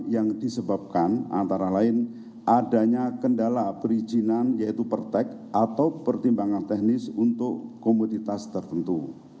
yang disebabkan antara lain adanya kendala perizinan yaitu pertek atau pertimbangan teknis untuk komoditas tertentu